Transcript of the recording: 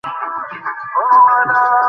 তবে এটিও বেশ ভালো কাজ।